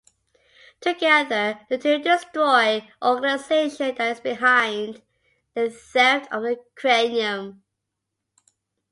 Together, the two destroy the organization that is behind the theft of the cranium.